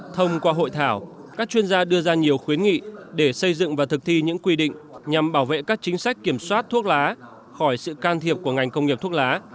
thông qua hội thảo các chuyên gia đưa ra nhiều khuyến nghị để xây dựng và thực thi những quy định nhằm bảo vệ các chính sách kiểm soát thuốc lá khỏi sự can thiệp của ngành công nghiệp thuốc lá